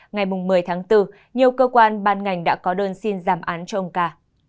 ngày một mươi tháng bốn nhiều cơ quan ban ngành đã có đơn xin giảm án cho ông ca